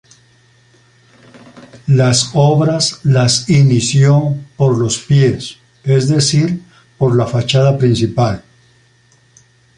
Las obras las inició por los pies, es decir, por la fachada principal.